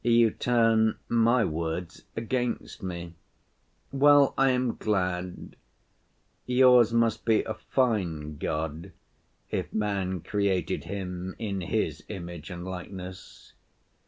"You turn my words against me. Well, I am glad. Yours must be a fine God, if man created Him in his image and likeness.